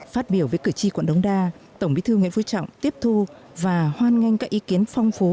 phát biểu với cử tri quận đống đa tổng bí thư nguyễn phú trọng tiếp thu và hoan nghênh các ý kiến phong phú